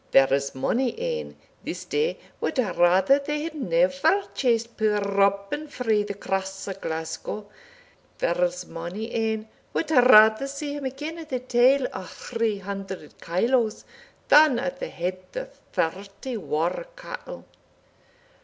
There's mony ane this day wad rather they had never chased puir Robin frae the Cross o' Glasgow there's mony ane wad rather see him again at the tale o' three hundred kyloes, than at the head o' thirty waur cattle."